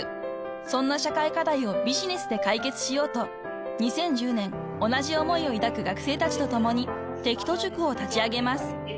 ［そんな社会課題をビジネスで解決しようと２０１０年同じ思いを抱く学生たちとともに適十塾を立ち上げます］